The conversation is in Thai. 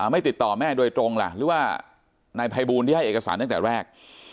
ไม่ติดต่อแม่โดยตรงล่ะหรือว่านายภัยบูลที่ให้เอกสารตั้งแต่แรก